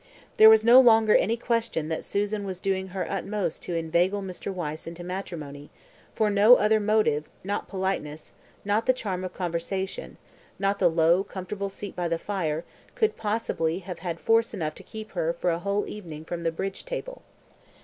There was no longer any question that Susan was doing her utmost to inveigle Mr. Wyse into matrimony, for no other motive, not politeness, not the charm of conversation, not the low, comfortable seat by the fire could possibly have had force enough to keep her for a whole evening from the bridge table.